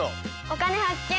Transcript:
「お金発見」。